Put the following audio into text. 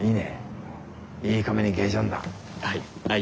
はい。